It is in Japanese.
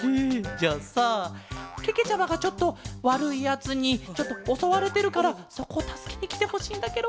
じゃあさけけちゃまがちょっとわるいやつにちょっとおそわれてるからそこをたすけにきてほしいんだケロ。